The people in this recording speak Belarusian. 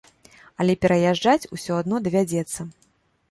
Але пераязджаць усё адно давядзецца.